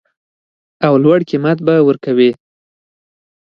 او لوړ قیمت به ورکوي